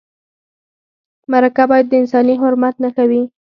مرکه باید د انساني حرمت نښه وي.